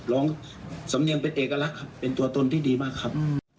สำเนียงเป็นเอกลักษณ์ครับเป็นตัวตนที่ดีมากครับ